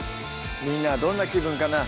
みんなはどんな気分かなぁ